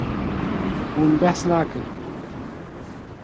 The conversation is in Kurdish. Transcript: Hûn behs nakin.